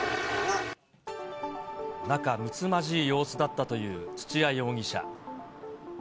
仲むつまじい様子だったという土屋容疑者。